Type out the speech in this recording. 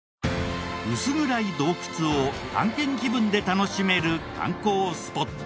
薄暗い洞窟を探検気分で楽しめる観光スポット。